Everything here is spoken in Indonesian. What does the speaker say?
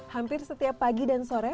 hampir setiap pagi dan sore